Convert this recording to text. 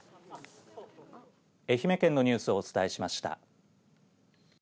愛媛県のニュースをお伝えしました。